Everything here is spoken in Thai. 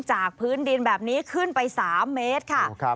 จากพื้นดินแบบนี้ขึ้นไป๓เมตรค่ะ